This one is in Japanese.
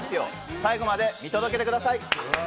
最後まで見届けてください。